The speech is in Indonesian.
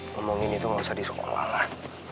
ngomongin itu nggak usah di sekolah lah